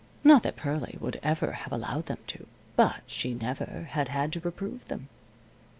Not that Pearlie would ever have allowed them to. But she never had had to reprove them.